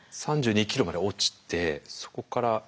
３２ｋｇまで落ちてそこからどう。